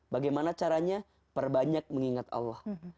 bagaimana caranya perbanyak mengingat allah